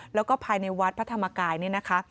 แล้วก็ภายในวัดพระธรรมกายนี่นะคะ